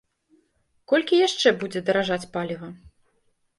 Колькі яшчэ будзе даражаць паліва?